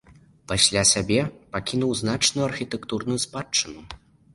Пасля сябе пакінуў значную архітэктурную спадчыну.